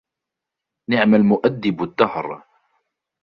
نعم المؤَدِّبُ الدهر.